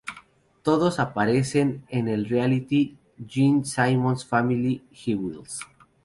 Todos aparecen en el reality "Gene Simmons Family Jewels".